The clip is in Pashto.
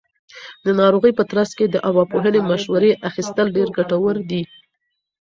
د ناروغۍ په ترڅ کې د ارواپوهنې مشورې اخیستل ډېر ګټور دي.